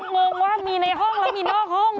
กำลังเงินว่ามีในห้องแล้วมีนอกห้องด้วย